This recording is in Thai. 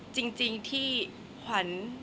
จริงที่ขวัญ